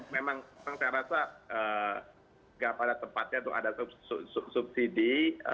memang saya rasa nggak pada tempatnya tuh ada subsidi